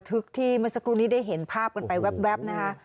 ทึกที่เมื่อสักครู่นี้ได้เห็นภาพกันไปแว๊บนะคะ